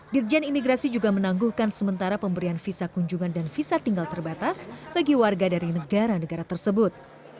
dirjen imigrasi juga menangguhkan sementara pemberian visa kunjungan dan visa tinggal terbatas bagi warga dari negara negara tersebut